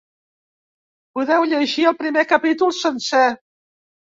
Podeu llegir el primer capítol sencer.